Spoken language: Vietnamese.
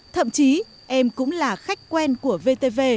thậm chí em cũng là khách quen của vtv